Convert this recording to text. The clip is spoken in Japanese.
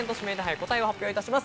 答えを発表いたします。